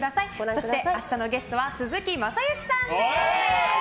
そして明日のゲストは鈴木雅之さんです。